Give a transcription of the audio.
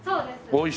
はい。